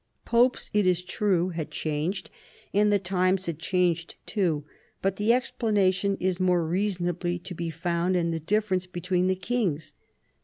Popes, it is true, had changed, and the times had changed too. But the explanation is more reason ably to be found in the difference between the kings.